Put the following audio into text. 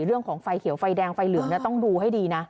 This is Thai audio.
เรื่องของไฟเขียวไฟแดงไฟเหลืองต้องดูให้ดีนะ